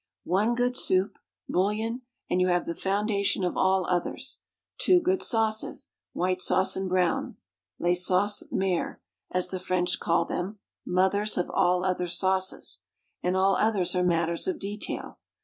One good soup, bouillon, and you have the foundation of all others; two good sauces, white sauce and brown, "les sauces mères" as the French call them (mothers of all other sauces), and all others are matters of detail.